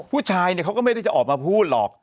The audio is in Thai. ผู้ชายเนี่ยเขาก็ไม่ได้จะออกมาพูดหรอก